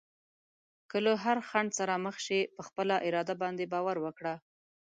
که له هر خنډ سره مخ شې، په خپل اراده باندې باور وکړه.